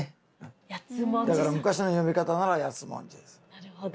なるほど。